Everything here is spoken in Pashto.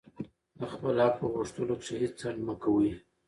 د خپل حق په غوښتلو کښي هېڅ ځنډ مه کوئ!